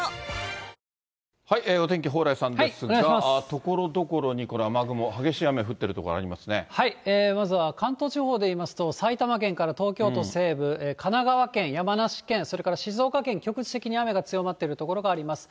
ところどころに雨雲、まずは関東地方で言いますと、埼玉県から東京都西部、神奈川県、山梨県、それから静岡県、局地的に雨が強まっている所があります。